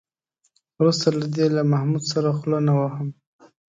وروسته له دې له محمود سره خوله نه وهم.